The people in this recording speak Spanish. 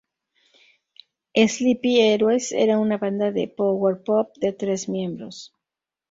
Sleepy Heroes era una banda de power-pop de tres miembros.